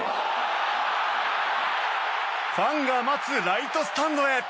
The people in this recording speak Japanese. ファンが待つライトスタンドへ。